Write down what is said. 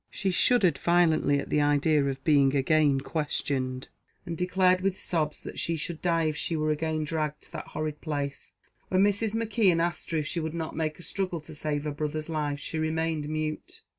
She shuddered violently at the idea of being again questioned, and declared with sobs that she should die if she were again dragged to that horrid place. When Mrs. McKeon asked her if she would not make a struggle to save her brother's life, she remained mute.